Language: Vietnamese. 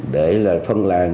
để là phân làng